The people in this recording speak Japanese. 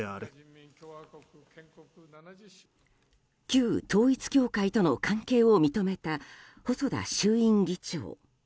旧統一教会との関係を認めた細田衆院議長。